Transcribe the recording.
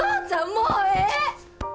もうええ！